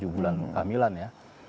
tujuh bulan kehamilan ya